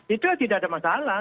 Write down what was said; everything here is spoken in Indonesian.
itu tidak ada masalah